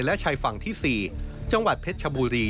และชายฝั่งที่๔จังหวัดเพชรชบุรี